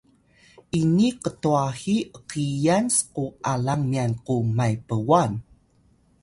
ini ktwahi ’kiyan sku alang myan ku Maypwan